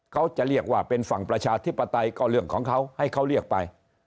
เขาจะเรียกว่าเป็นฝั่งประชาธิปไตยก็เรื่องของเขาให้เขาเรียกไป